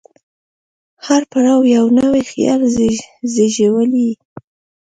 هر پړاو یو نوی خیال زېږولی.